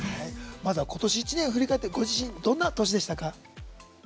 今年１年を振り返ってご自身、どんな年でしたか？